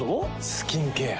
スキンケア。